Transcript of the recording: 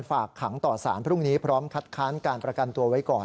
ฝากขังต่อสารพรุ่งนี้พร้อมคัดค้านการประกันตัวไว้ก่อน